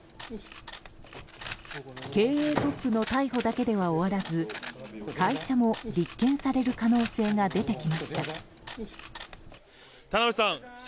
経営トップの逮捕だけでは終わらず会社も立件される可能性が出てきました。